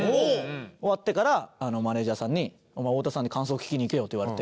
終わってからマネジャーさんに「太田さんに感想聞きに行けよ」って言われて。